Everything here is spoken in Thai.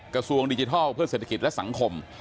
กระทรวงดิจิทัลเพื่อเศรษฐกิจและสังคม